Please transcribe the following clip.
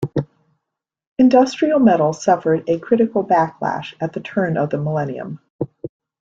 Industrial metal suffered a critical backlash at the turn of the millennium.